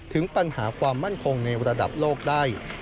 ถึงปัญหาความมั่นคงในระดับโลกได้